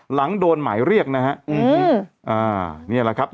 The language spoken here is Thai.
หลังโดนหมายเรียกนะฮะอืมอ่านี่แหละครับ